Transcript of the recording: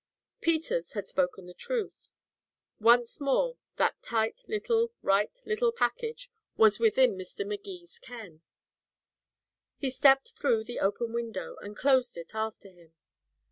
Peters had spoken the truth. Once more that tight little, right little package was within Mr. Magee's ken. He stepped through the open window, and closed it after him.